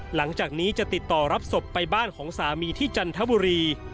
หลังจากนี้จะติดต่อรับศพไปบ้านของสามีที่จันทบุรี